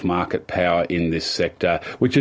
pembangunan pasar di sektor ini